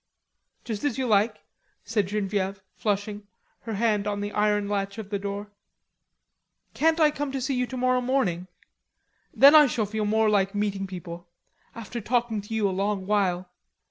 "Just as you like," said Genevieve, flushing, her hand on the iron latch of the door. "Can't I come to see you tomorrow morning? Then I shall feel more like meeting people, after talking to you a long while.